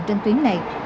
trên đường bảo chí công